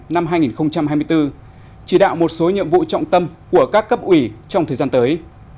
năm hai nghìn hai mươi bốn chỉ đạo một số nhiệm vụ trọng tâm của các cấp ủy trong thời gian tới